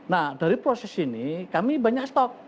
nah dari proses ini kami banyak stop